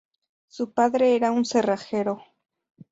Su padre era un cerrajero.